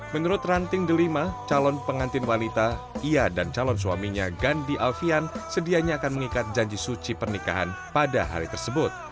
menurut ranting delima calon pengantin wanita ia dan calon suaminya gandhi alfian sedianya akan mengikat janji suci pernikahan pada hari tersebut